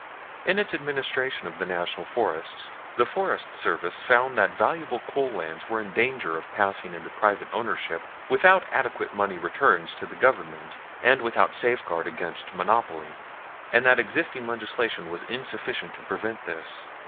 523). In its administration of the National Forests, the Forest Service found that valuable coal lands were in danger of passing into private ownership without adequate money return to the Government and without safeguard against monopoly; and that existing legislation was insufficient to prevent this.